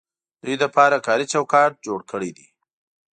دوی لپاره کاري چوکاټ جوړ کړی دی.